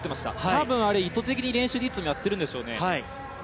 多分、意図的に練習でいつもやっているんでしょうね。